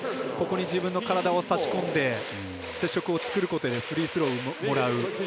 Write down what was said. ここに自分の体をさし込んで接触を作ることでフリースローをもらう。